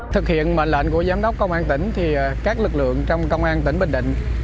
thực hiện mệnh lệnh của giám đốc công an tỉnh thì các lực lượng trong công an tỉnh bình định